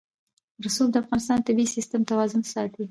رسوب د افغانستان د طبعي سیسټم توازن ساتي.